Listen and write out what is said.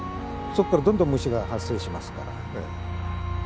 そっからどんどん虫が発生しますから。